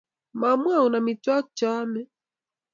Mamwoun amitwogik che aame